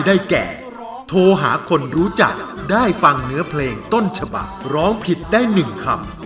ได้แก่โทรหาคนรู้จักได้ฟังเนื้อเพลงต้นฉบักร้องผิดได้๑คำ